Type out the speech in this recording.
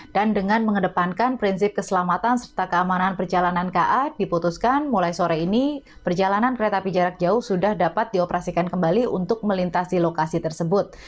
dan dengan mengedepankan prinsip keselamatan serta keamanan perjalanan ka diputuskan mulai sore ini perjalanan kereta api jarak jauh sudah dapat dioperasikan kembali untuk melintasi lokasi tersebut